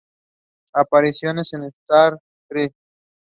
Their tip is rounded or truncated.